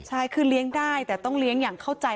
ใช่คือเลี้ยงได้แต่ต้องเลี้ยงอย่างเข้าใจ